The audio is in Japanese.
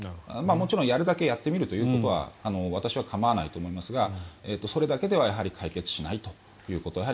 もちろんやるだけやってみるということは私は構わないと思いますがそれだけでは解決しないということ。